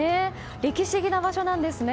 歴史的な場所なんですね。